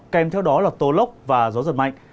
kem theo đó là tố lốc và gió giật mạnh